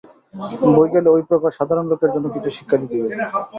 বৈকালে ঐ প্রকার সাধারণ লোকের জন্য কিছু শিক্ষাদি দিবে।